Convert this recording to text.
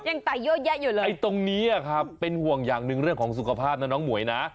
ไต่เยอะแยะอยู่เลยไอ้ตรงนี้ครับเป็นห่วงอย่างหนึ่งเรื่องของสุขภาพนะน้องหมวยนะ